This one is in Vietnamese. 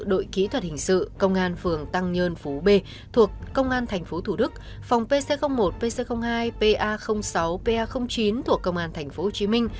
đội kỹ thuật hình sự công an phường tăng nhơn phú b thuộc công an tp thủ đức phòng pc một pc hai pa sáu pa chín thuộc công an tp hcm